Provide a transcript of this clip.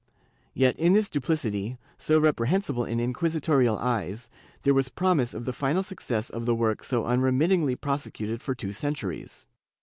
^ Yet in this duplicity, so reprehensible in inquis itorial eyes, there was promise of the final success of the work so unremittingly prosecuted for two centuries.